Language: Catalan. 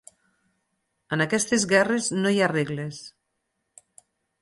En aquestes guerres no hi ha regles.